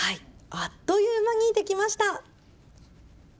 あっという間にできました。